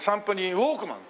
ウォークマン！？